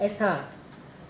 ketiga saudara dari dari dari